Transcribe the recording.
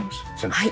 はい。